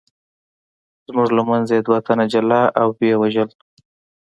زموږ له منځه یې دوه تنه جلا او ویې وژل.